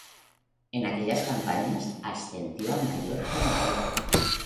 En aquellas campañas ascendió a Mayor general.